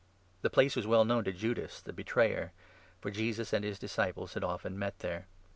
The place was well known to Judas, the betrayer, for Jesus and his disciples had often met there.